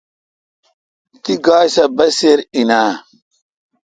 تی گاے سہ بسیر°این۔